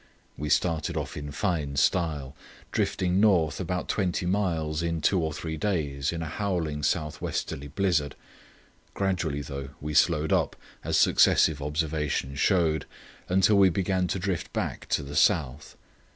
We started off in fine style, drifting north about twenty miles in two or three days in a howling south westerly blizzard. Gradually, however, we slowed up, as successive observations showed, until we began to drift back to the south.